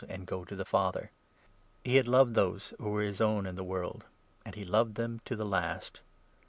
an(j g0 t0 the Father. He had loved those who were his own in the world, and he loved them to the last.